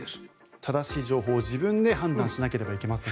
正しい情報を自分で判断しなければいけませんね。